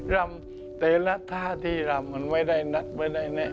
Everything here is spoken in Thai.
ร้ามแต่ท่าที่ร้ามมันอย่างไรยังไง